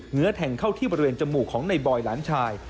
เหนือแทงเข้าที่บริเวณจมูกของในบอยหลานชาย